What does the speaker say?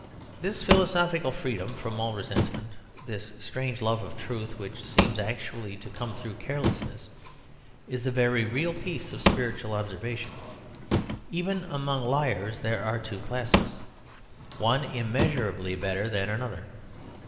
'" This philosophical freedom from all resentment, this strange love of truth which seems actually to come through carelessness, is a very real piece of spiritual observation. Even among liars there are two classes, one immeasurably better than another.